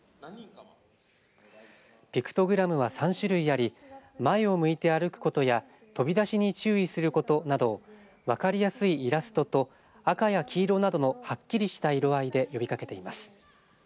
ピクトグラムは３種類あり前を向いて歩くことや飛び出しに注意することなどを分かりやすイラストと赤や黄色などのはっきりした色合いで呼びかけています。